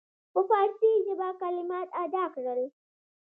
په فارسي ژبه کلمات ادا کړل.